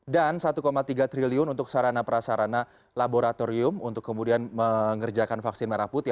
dan rp satu tiga triliun untuk sarana prasarana laboratorium untuk kemudian mengerjakan vaksin merah putih